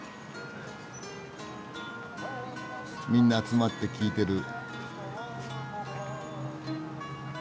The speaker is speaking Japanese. みんな集まって聴いてる。